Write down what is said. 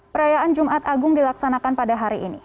perayaan jumat agung dilaksanakan pada hari ini